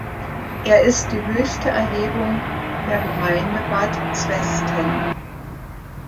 Er ist die höchste Erhebung der Gemeinde Bad Zwesten.